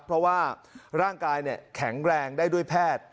เพราะว่าร่างกายแข็งแรงได้ด้วยแพทย์